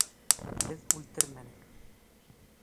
Беҙ үлтермәнек!